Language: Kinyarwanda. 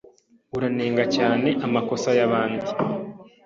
Uranenga cyane amakosa yabandi.